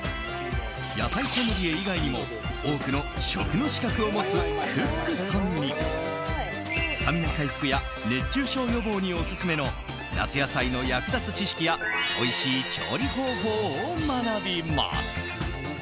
野菜ソムリエ以外にも多くの食の資格を持つクックさんにスタミナ回復や熱中症予防にオススメの夏野菜の役立つ知識やおいしい調理方法を学びます。